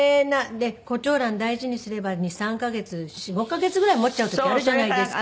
で胡蝶蘭大事にすれば２３カ月４５カ月ぐらい持っちゃう時あるじゃないですか。